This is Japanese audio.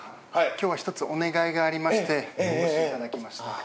今日は一つお願いがありましてお越しいただきました。